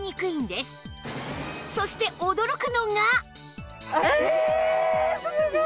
そして驚くのが